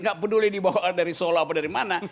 nggak peduli dibawa dari solo apa dari mana